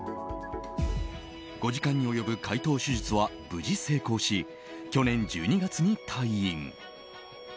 ５時間に及ぶ開頭手術は無事成功し去年１２月に退院。